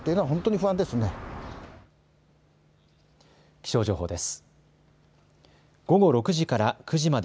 気象情報です。